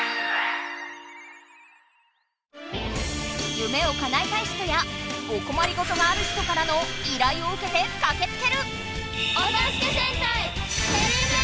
夢をかなえたい人やおこまりごとがある人からの依頼をうけてかけつける！